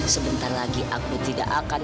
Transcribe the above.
sebentar lagi aku tidak akan